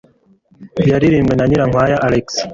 yaririmbwe na Nyirinkwaya Alex